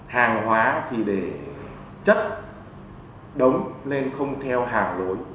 hàng hóa thì để chất đóng nên không theo hạng đối